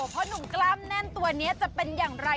เพราะหนุ่มกล้ามแน่นตัวนี้จะเป็นอย่างไร